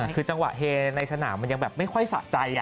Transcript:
คือจังหวะเฮในสนามมันยังแบบไม่ค่อยสะใจ